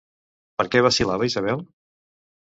Per què vacil·lava Isabel?